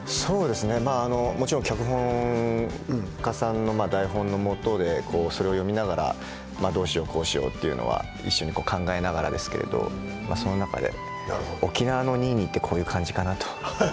もちろん脚本家さんの台本のもとで読みながらどうしよう、こうしようというのは一緒に考えながらですけどその中で沖縄のニーニーってこんな感じかなと。